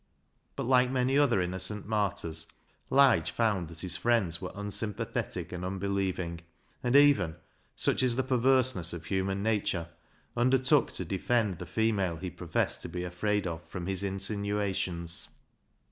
But, like many other innocent martyrs, Lige found that his friends were unsympathetic and unbelieving, and even — such is the perversencss of human nature — undertook to defend the female he professed to be afraid of from his insinuations.